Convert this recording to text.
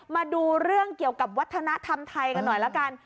มาดูเรื่องเกี่ยวกับวัฒนธรรมไทยกันหน่อยละกัน